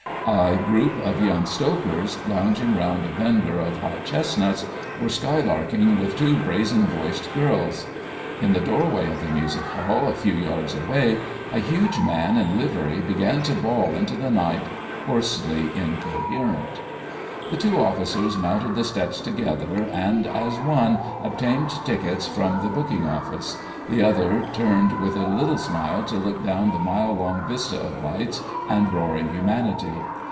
A group of young Stokers, lounging round a vendor of hot chestnuts, were skylarking with two brazen voiced girls. At the doorway of the music hall, a few yards away, a huge man in livery began to bawl into the night, hoarsely incoherent. The two officers mounted the steps together, and, as one obtained tickets from the booking office, the other turned with a little smile to look down the mile long vista of lights and roaring humanity.